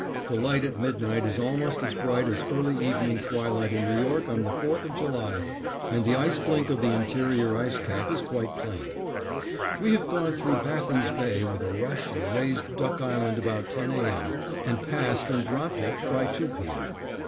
The light at midnight is almost as bright as early evening twilight in New York on the Fourth of July and the ice blink of the interior ice cap is quite plain. We have gone through Baffin's Bay with a rush and raised Duck Island about ten A. M. and passed and dropped it by two P. M.